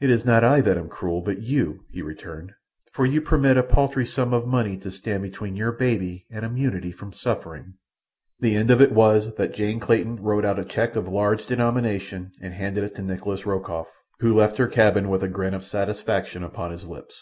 "It is not I that am cruel, but you," he returned, "for you permit a paltry sum of money to stand between your baby and immunity from suffering." The end of it was that Jane Clayton wrote out a cheque of large denomination and handed it to Nikolas Rokoff, who left her cabin with a grin of satisfaction upon his lips.